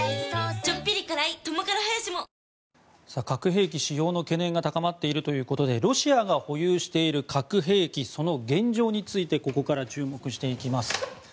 核兵器使用の懸念が高まっているということでロシアが保有している核兵器その現状についてここから注目していきます。